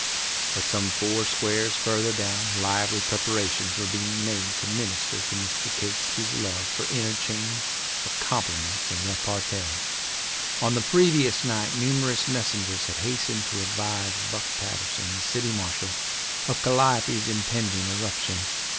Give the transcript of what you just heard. But some four squares farther down lively preparations were being made to minister to Mr. Catesby's love for interchange of compliments and repartee. On the previous night numerous messengers had hastened to advise Buck Patterson, the city marshal, of Calliope's impending eruption.